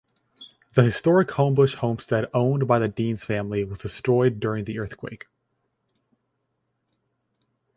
The historic Homebush Homestead owned by the Deans family was destroyed during the earthquake.